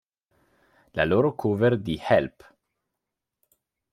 La loro cover di"Help!